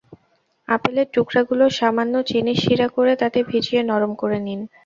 আপেলের টুকরাগুলো সামান্য চিনির সিরা করে তাতে ভিজিয়ে নরম করে নিন।